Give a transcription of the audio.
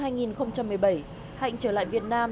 hạnh trở lại việt nam